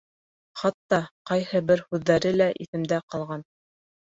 Хатта ҡайһы бер һүҙҙәре лә иҫемдә ҡалған.